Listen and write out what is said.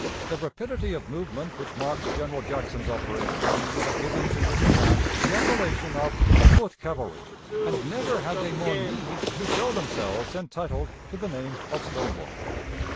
The rapidity of movement which marked General Jackson's operations had given to his command the appellation of "foot cavalry"; and never had they more need to show themselves entitled to the name of Stonewall.